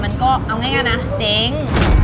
เซทีป้ายแดง